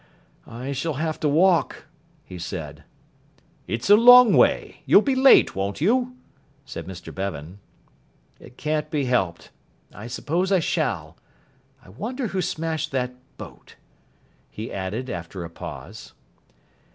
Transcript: "I shall have to walk," he said. "It's a long way. You'll be late, won't you?" said Mr Bevan. "It can't be helped. I suppose I shall. I wonder who smashed that boat," he added after a pause.